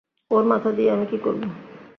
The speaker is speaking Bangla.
ওর মাথা দিয়ে আমি কী করব?